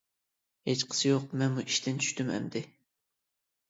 -ھېچقىسى يوق، مەنمۇ ئىشتىن چۈشتۈم ئەمدى.